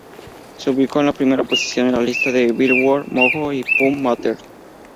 Se ubicó en la primera posición en las listas de "Billboard", "Mojo" y "PopMatters".